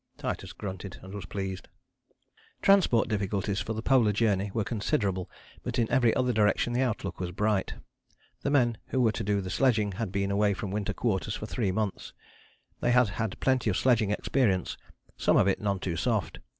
Titus grunted and was pleased. Transport difficulties for the Polar Journey were considerable, but in every other direction the outlook was bright. The men who were to do the sledging had been away from Winter Quarters for three months. They had had plenty of sledging experience, some of it none too soft.